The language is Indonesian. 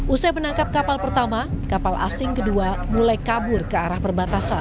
usai menangkap kapal pertama kapal asing kedua mulai kabur ke arah perbatasan